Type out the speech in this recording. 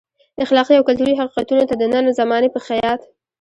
اخلاقي او کلتوري حقیقتونو ته د نن زمانې په خیاط.